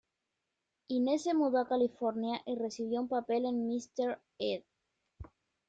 Hines se mudó a California y recibió un papel en "Mister Ed".